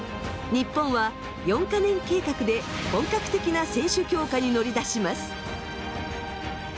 日本は４か年計画で本格的な選手強化に乗り出します。